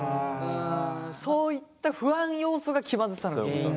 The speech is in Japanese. そういった不安要素が気まずさの原因なのかな。